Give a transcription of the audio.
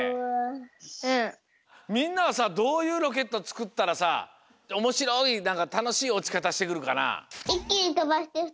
みんなはさどういうロケットつくったらさおもしろいなんかたのしいおちかたしてくるかな？